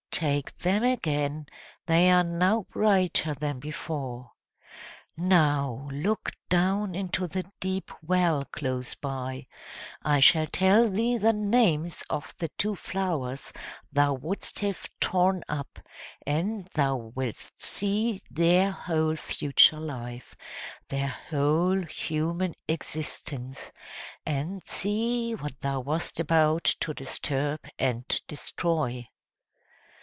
Take them again, they are now brighter than before; now look down into the deep well close by; I shall tell thee the names of the two flowers thou wouldst have torn up, and thou wilt see their whole future life their whole human existence: and see what thou wast about to disturb and destroy."